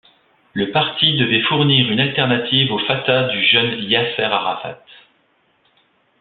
Le parti devait fournir une alternative au Fatah du jeune Yasser Arafat.